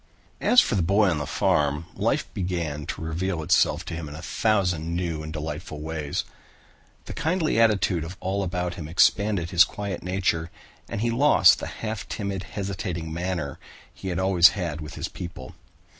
As for the boy on the farm, life began to reveal itself to him in a thousand new and delightful ways. The kindly attitude of all about him expanded his quiet nature and he lost the half timid, hesitating manner he had always had with his people.